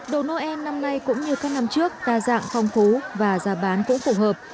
đồ noel năm nay cũng như các năm trước đa dạng phong phú và giá bán cũng phù hợp